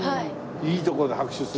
いいとこで拍手する。